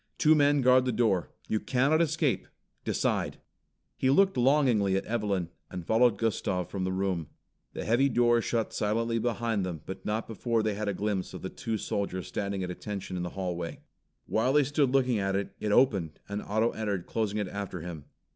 "Two men guard the door. You cannot escape. Decide!" He looked longingly at Evelyn and followed Gustav from the room. The heavy door shut silently behind them but not before they had a glimpse of the two soldiers standing at attention in the hallway. While they stood looking at it, it opened and Otto entered, closing it after him.